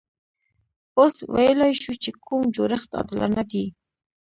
اوس ویلای شو چې کوم جوړښت عادلانه دی.